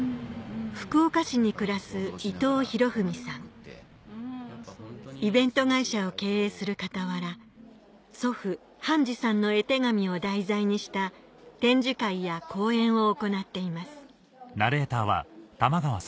福岡市に暮らすイベント会社を経営する傍ら祖父・半次さんの絵手紙を題材にした展示会や講演を行っています